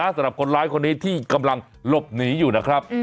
สำหรับคนร้ายคนนี้ที่กำลังหลบหนีอยู่นะครับ